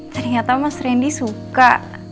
ternyata mas rendi suka